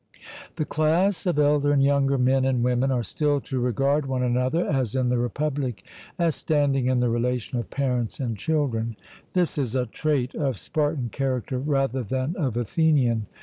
The class of elder and younger men and women are still to regard one another, as in the Republic, as standing in the relation of parents and children. This is a trait of Spartan character rather than of Athenian.